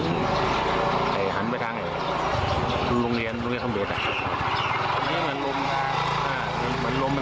มันพลงมา